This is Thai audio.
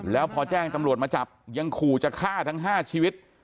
แล้วพอแจ้งตำรวจมาจับยังขู่จะฆ่าทั้ง๕ชีวิต